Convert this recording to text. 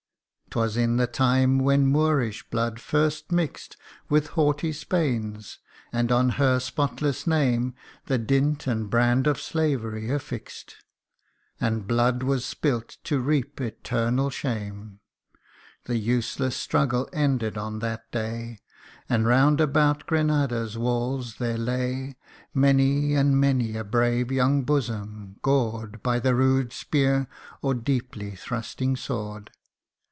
'Twas in the time when Moorish blood first mix'd With haughty Spain's ; and on her spotless name The dint and brand of slavery affix'd And blood was spilt to reap eternal shame. CANTO II. 41 The useless struggle ended on that day, And round about Grenada's walls there lay Many and many a brave young bosom, gored By the rude spear or deeply thrusting sword.